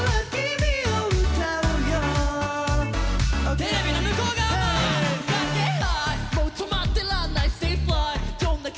テレビの向こう側も！